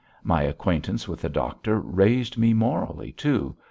My acquaintance with the doctor raised me morally too.